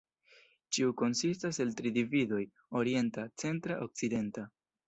Ĉiu konsistas el tri dividoj: Orienta, Centra, Okcidenta.